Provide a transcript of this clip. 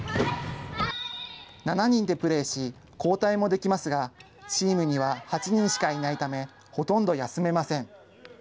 ７人でプレーし、交代もできますが、チームには８人しかいないため、ほとんど休めません。